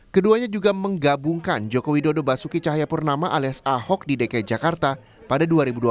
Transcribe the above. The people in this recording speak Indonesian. keduanya juga menggabungkan joko widodo basuki cahayapurnama alias ahok di dki jakarta pada dua ribu dua puluh